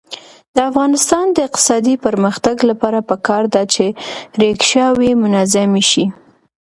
د افغانستان د اقتصادي پرمختګ لپاره پکار ده چې ریکشاوې منظمې شي.